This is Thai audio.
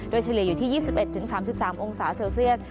โดยเฉลี่ยอยู่ที่๒๑๓๓องศาเซลเซียส